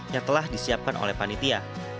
yang telah disiapkan oleh panitia